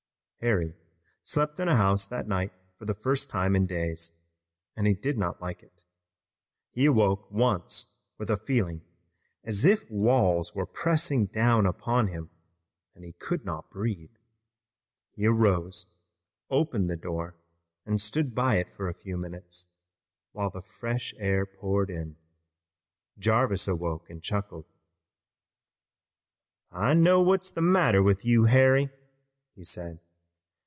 Harry slept in a house that night for the first time in days, and he did not like it. He awoke once with a feeling as if walls were pressing down upon him, and he could not breathe. He arose, opened the door, and stood by it for a few minutes, while the fresh air poured in. Jarvis awoke and chuckled. "I know what's the matter with you, Harry," he said.